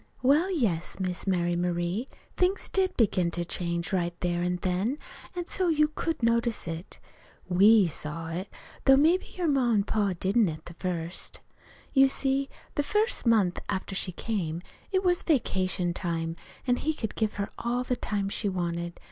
"Well, yes, Miss Mary Marie, things did begin to change right there an' then, an' so you could notice it. We saw it, though maybe your pa an' ma didn't, at the first. "You see, the first month after she came, it was vacation time, an' he could give her all the time she wanted.